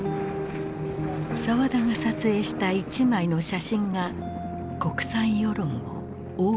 沢田が撮影した一枚の写真が国際世論を大きく動かす。